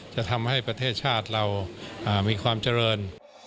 จะทำให้ประเทศชาติเรามีความเจริญ